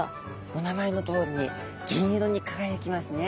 お名前のとおりに銀色に輝きますね。